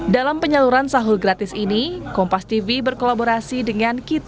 dalam penyaluran sahur gratis ini kompas tv berkolaborasi dengan kita